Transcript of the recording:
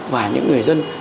và những người dân